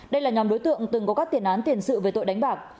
đây là nhóm đối tượng từng có các tiền án tiền sự về tội đánh bạc